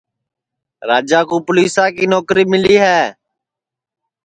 راجا کُو پُولِیسا کی نوکری مِلی ہے